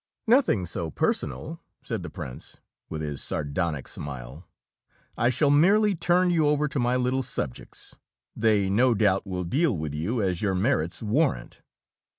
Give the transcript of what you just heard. "Nothing so personal," said the prince, with his sardonic smile. "I shall merely turn you over to my little subjects. They no doubt will deal with you as your merits warrant."